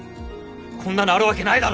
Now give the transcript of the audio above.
こんなのあるわけないだろう！